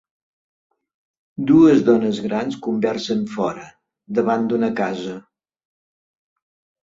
Dues dones grans conversen fora, davant d'una casa.